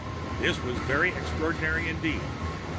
This was very extraordinary indeed.